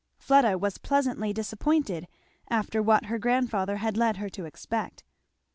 Fleda was pleasantly disappointed after what her grandfather had led her to expect.